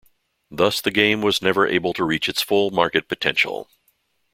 Thus the game was never able to reach its full market potential.